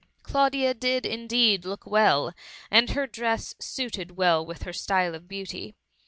Claudia did indeed look well, and her dress suited well with her style of beauty.